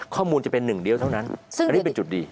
ข้อมูลจะเป็นหนึ่งเดียวเท่านั้นอันนี้เป็นจุดดี